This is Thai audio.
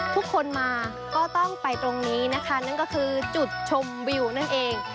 ทุกคนมาก็ต้องไปตรงนี้นะคะนั่นก็คือจุดชมวิวนั่นเอง